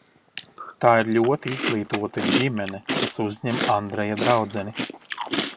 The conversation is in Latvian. Tā ir ļoti izglītota ģimene, kas uzņem Andreja draudzeni.